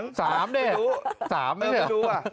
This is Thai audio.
๓นี่ใช่หรอ